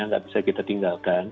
tidak bisa kita tinggalkan